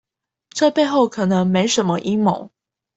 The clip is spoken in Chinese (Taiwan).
這背後可能沒什麼陰謀